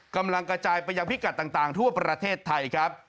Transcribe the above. กำลังกระจายไปยังพิกัดต่างทั่วประเทศไทยครับ